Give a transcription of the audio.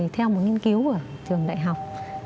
theo một nghiên cứu của trường đại học